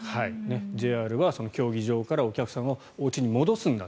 ＪＲは競技場からお客さんをおうちに戻すんだと。